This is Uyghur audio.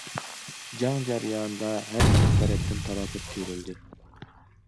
جەڭ جەريانىدا ھەر ئىككى تەرەپتىن تالاپەت كۆرۈلدى.